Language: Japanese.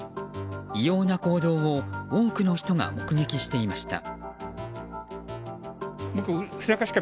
異様な行動を多くの人が目撃していました。